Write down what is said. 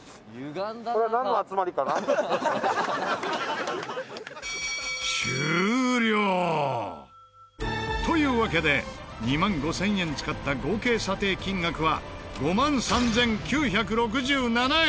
これはなんの集まりかな？というわけで２万５０００円使った合計査定金額は５万３９６７円！